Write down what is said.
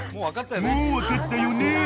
［もう分かったよね］